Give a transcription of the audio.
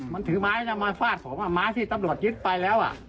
มันถือไม้มาฟาดผมไม้ที่ตำรวจยึดไปแล้ว